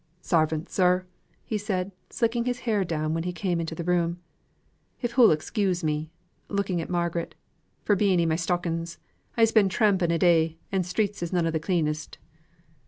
"Sarvant, sir!" said he, slicking his hair down when he came into the room: "If hoo'l excuse me (looking at Margaret) for being i' my stockings; I'se been tramping a' day, and streets is none o' th' cleanest."